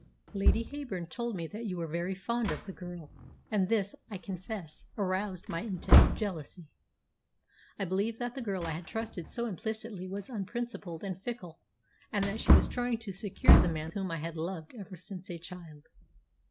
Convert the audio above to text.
"Lady Heyburn told me that you were very fond of the girl, and this, I confess, aroused my intense jealousy. I believed that the girl I had trusted so implicitly was unprincipled and fickle, and that she was trying to secure the man whom I had loved ever since a child.